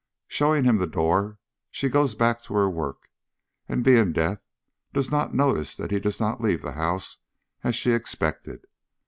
Showing him the door, she goes back to her work, and, being deaf, does not notice that he does not leave the house as she expected.